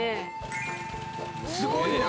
すごいな！